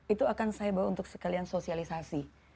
itu akan saya bawa untuk sekalian sosialisasi